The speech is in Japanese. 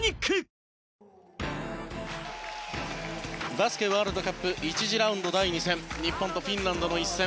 バスケワールドカップ１次ラウンド第２戦日本とフィンランドの一戦。